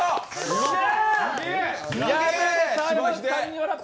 よっしゃ！